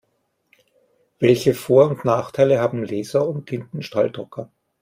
Welche Vor- und Nachteile haben Laser- und Tintenstrahldrucker?